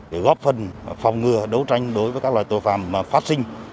để góp phần phòng ngừa đấu tranh đối với các loại tội phạm phát sinh